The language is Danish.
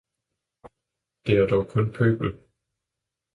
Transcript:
'Det er dog kun pøbel!